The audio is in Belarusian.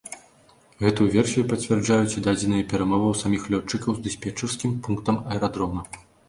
Гэтую версію пацвярджаюць і дадзеныя перамоваў саміх лётчыкаў з дыспетчарскім пунктам аэрадрома.